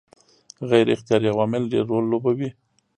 غیر اختیاري عوامل ډېر رول لوبوي.